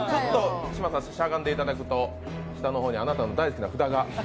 嶋佐さん、しゃがんでいただくと下の方にあなたの大好きな札が。